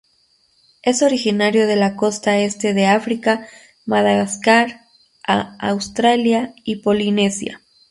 Es originario de la costa este de África, Madagascar, a Australia y Polinesia.